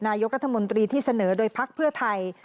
นายกรัฐมนตรีที่เสนอโดยพักเพื่อไทย